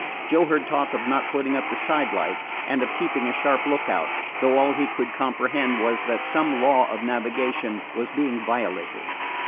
Joe heard talk of not putting up the side lights, and of keeping a sharp lookout, though all he could comprehend was that some law of navigation was being violated.